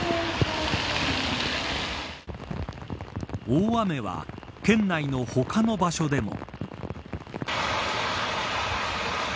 大雨は県内の他の場所でも。